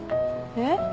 えっ？